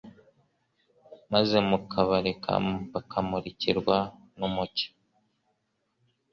maze mukabareka bakamurikirwa numucyo